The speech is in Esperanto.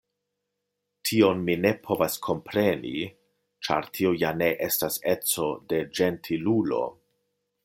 Tion mi ne povas kompreni, ĉar tio ja ne estas eco de ĝentilulo.